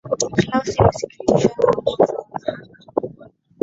clause amesitikishwa na uamuzi wa mahakama